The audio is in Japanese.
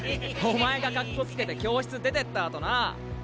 お前がかっこつけて教室出てったあとな。